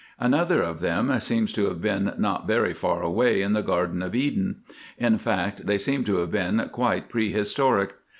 Another of them seems to have been not very far away in the Garden of Eden. In fact, they seem to have been quite prehistoric.